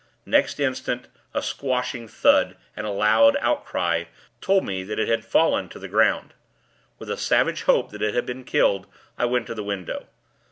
Next instant, a squashing thud, and a loud outcry, told me that it had fallen to the ground. With a savage hope that it had been killed, I went to the window.